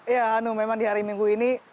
ya hanum memang di hari minggu ini